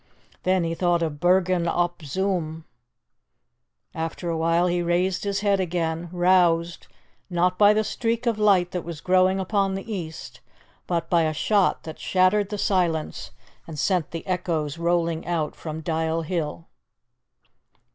Then he thought of Bergen op Zoom. ... After a while he raised his head again, roused, not by the streak of light that was growing upon the east, but by a shot that shattered the silence and sent the echoes rolling out from Dial Hill.